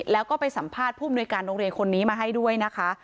แล้วก็ไปสัมภาษณ์ผู้มนุยการโรงเรียนคนนี้มาให้ด้วยนะคะ